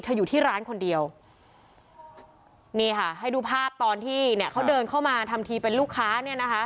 อยู่ที่ร้านคนเดียวนี่ค่ะให้ดูภาพตอนที่เนี่ยเขาเดินเข้ามาทำทีเป็นลูกค้าเนี่ยนะคะ